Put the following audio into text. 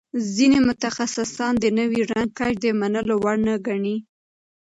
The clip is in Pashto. ځینې متخصصان د نوي رنګ کشف د منلو وړ نه ګڼي.